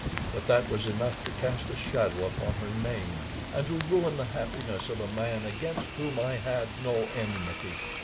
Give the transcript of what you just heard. But that was enough to cast a shadow upon her name, and to ruin the happiness of a man against whom I had no enmity.